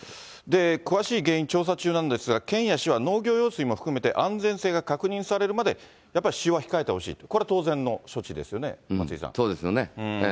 詳しい原因、調査中なんですが、県や市は農業用水も含めて、安全性が確認されるまで、やっぱり使用は控えてほしいと、これは当然の処置ですよね、そうですよね。